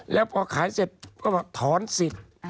แล้วพอขายเสร็จก็บอกถอนสิทธิ์